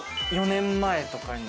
４年前とかに。